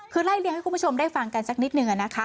คือไล่เลี้ยให้คุณผู้ชมได้ฟังกันสักนิดนึงนะคะ